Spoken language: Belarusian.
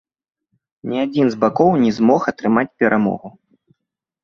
Ні адзін з бакоў не змог атрымаць перамогу.